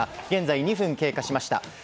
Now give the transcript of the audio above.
現在、２分経過しました。